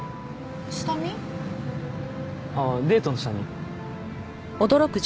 あぁデートの下見。